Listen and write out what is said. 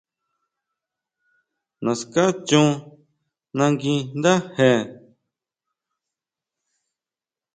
Naská chon nagui ndáje.